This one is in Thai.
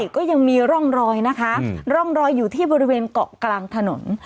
ก็ยังมีร่องรอยนะคะร่องรอยอยู่ที่บริเวณเกาะกลางถนน